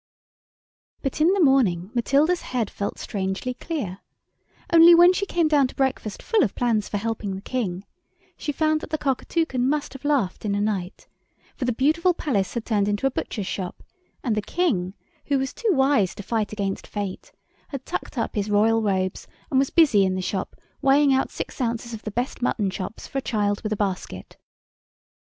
But in the morning Matilda's head felt strangely clear; only when she came down to breakfast full of plans for helping the King, she found that the Cockatoucan must have laughed in the night, for the beautiful Palace had turned into a butcher's shop, and the King, who was too wise to fight against Fate, had tucked up his royal robes, and was busy in the shop weighing out six ounces of the best mutton chops for a child with a basket.